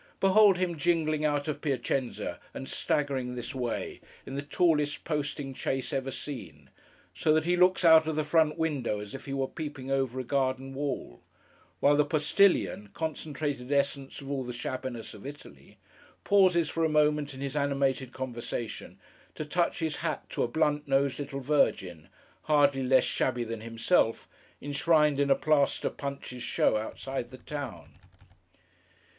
Behold him jingling out of Piacenza, and staggering this way, in the tallest posting chaise ever seen, so that he looks out of the front window as if he were peeping over a garden wall; while the postilion, concentrated essence of all the shabbiness of Italy, pauses for a moment in his animated conversation, to touch his hat to a blunt nosed little Virgin, hardly less shabby than himself, enshrined in a plaster Punch's show outside the town.